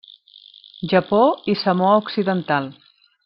Japó i Samoa Occidental.